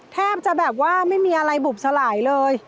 แทบจะแบบว่าไม่มีอะไรบุบสลายเลย